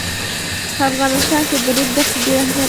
په افغانستان کې د ریګ دښتې ډېر اهمیت لري.